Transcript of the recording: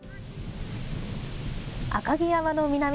赤城山の南。